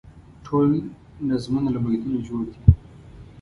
ټول نظمونه له بیتونو جوړ دي.